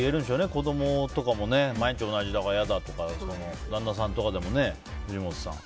子供とかもね毎日同じだから嫌だとか旦那さんとかでもね、藤本さん。